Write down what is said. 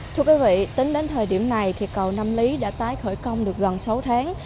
thưa quý vị tính đến thời điểm này thì cầu nam lý đã tái khởi công được gần sáu tháng